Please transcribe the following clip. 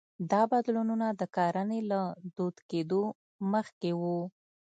دا بدلونونه د کرنې له دود کېدو مخکې وو